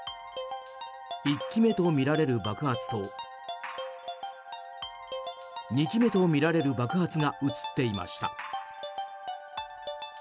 １機目とみられる爆発と２機目とみられる爆発が映っていました。